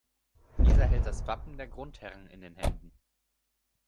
Dieser hält das Wappen der Grundherren in den Händen.